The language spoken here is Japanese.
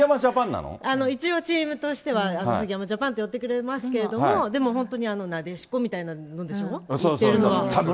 あの一応チームとしては杉山ジャパンって呼んでくれますけど、でも本当になでしこみたいなものでしょ、言ってるのは。